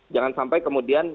jangan sampai kemudian